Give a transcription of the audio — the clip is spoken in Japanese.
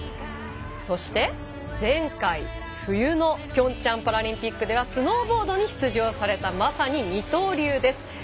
そして、前回冬のピョンチャンパラリンピックではスノーボードに出場されたまさに二刀流です。